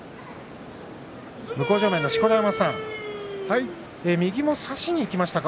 向正面の錣山さん右も差しにいきましたか？